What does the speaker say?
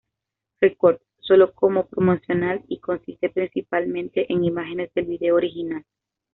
Records solo como promocional y consiste principalmente en imágenes del video original.